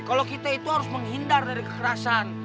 kalau kita itu harus menghindar dari kekerasan